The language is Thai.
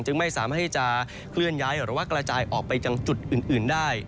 ไม่สามารถที่จะเคลื่อนย้ายหรือว่ากระจายออกไปยังจุดอื่นได้